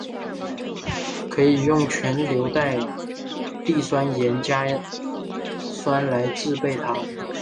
可以用全硫代锑酸盐加酸来制备它。